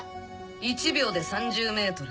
１秒で３０ｍ。